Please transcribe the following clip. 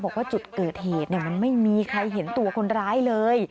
บอกว่าจุดเกิดเหตุมันไม่มีใครเห็นตัวคนร้ายเลย